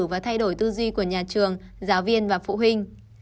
và thay đổi tư duy của nhà trường giáo viên và phụ huynh